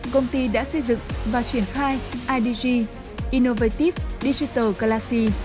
công ty đã xây dựng và triển khai idg innovatip digital galaxy